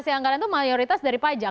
sanksi anggaran itu mayoritas dari pajak